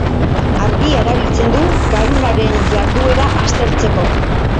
Argia erabiltzen du garunaren jarduera aztertzeko.